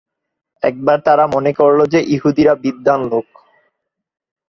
একবার তারা মনে করল যে, ইহুদীরা বিদ্বান লোক।